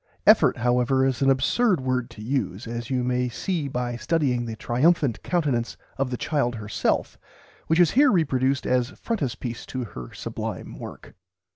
"Effort," however, is an absurd word to use, as you may see by studying the triumphant countenance of the child herself, which is here reproduced as frontispiece to her sublime work.